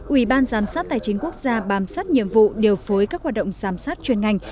ủy ban giám sát tài chính quốc gia bám sát nhiệm vụ điều phối các hoạt động giám sát chuyên ngành